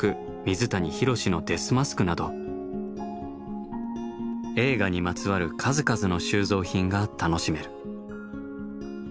水谷浩のデスマスクなど映画にまつわる数々の収蔵品が楽しめる。